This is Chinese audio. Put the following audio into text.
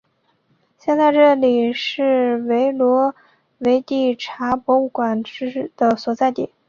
现在这里是维罗维蒂察博物馆的所在地。